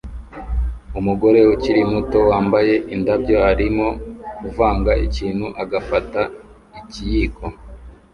Umugore ukiri muto wambaye indabyo arimo kuvanga ikintu agafata ikiyiko